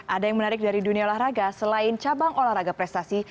ada yang menarik dari dunia olahraga selain cabang olahraga prestasi